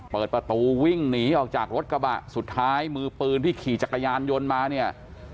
เปิดประตูวิ่งหนีออกจากรถกระบะสุดท้ายมือปืนที่ขี่จักรยานยนต์มาเนี่ย